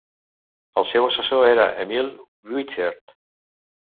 El seu assessor era Emil Wiechert.